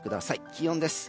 気温です。